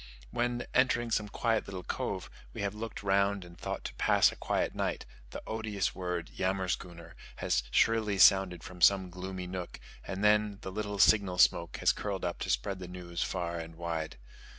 When, entering some quiet little cove, we have looked round and thought to pass a quiet night, the odious word "yammerschooner" has shrilly sounded from some gloomy nook, and then the little signal smoke has curled up to spread the news far and wide.